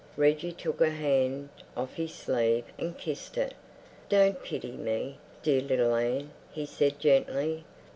Reggie took her hand off his sleeve and kissed it. "Don't pity me, dear little Anne," he said gently.